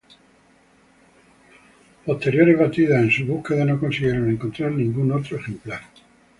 Posteriores batidas en su búsqueda no consiguieron encontrar ningún otro ejemplar.